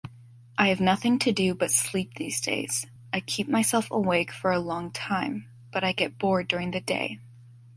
I have nothing to do but sleep these days, I keep myself awake for a long time, but I get bored during the day.